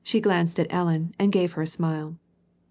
j^'lanced at Ellen, and gave her a smile.